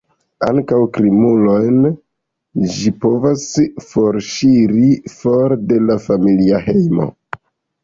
Ankaŭ krimulojn ĝi povas forŝiri for de la familia hejmo.